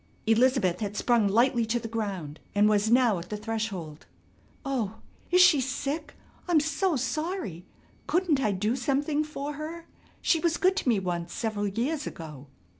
Elizabeth had sprung lightly to the ground and was now at the threshold: "Oh, is she sick? I'm so sorry? Couldn't I do something for her? She was good to me once several years ago!"